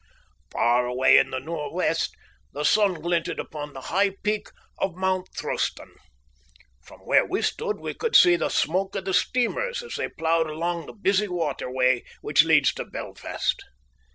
Far away in the north west the sun glinted upon the high peak of Mount Throston. From where we stood we could see the smoke of the steamers as they ploughed along the busy water way which leads to Belfast.